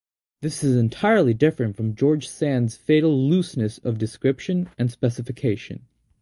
This is entirely different from George Sand's fatal "looseness" of description and specification.